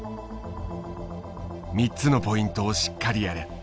「３つのポイントをしっかりやれ。